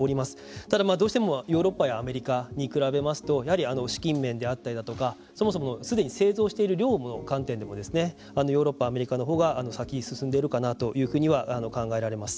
ただ、どうしてもヨーロッパやアメリカに比べましてやはり、資金面であったりとかそもそもすでに製造している量の観点でもヨーロッパ、アメリカのほうが先に進んでいるかなというふうには考えられます。